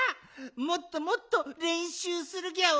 もっともっとれんしゅうするギャオ。